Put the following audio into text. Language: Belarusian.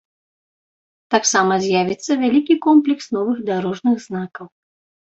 Таксама з'явіцца вялікі комплекс новых дарожных знакаў.